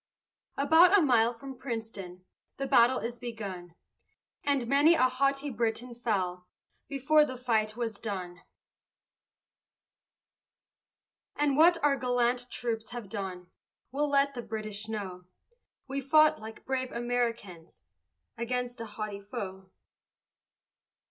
About a mile from Princeton, The battle is begun, And many a haughty Briton fell Before the fight was done. And what our gallant troops have done We'll let the British know; We fought like brave Americans Against a haughty foe.